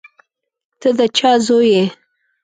ته د چا زوی یې.